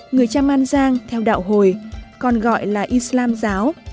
người trăm an giang theo đạo hồi còn gọi là islam giáo